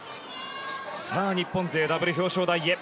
さあ日本勢、ダブル表彰台へ。